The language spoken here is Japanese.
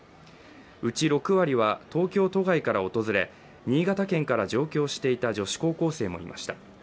うち６割は、東京都外から訪れ新潟県から上京していた女子高校生もいました。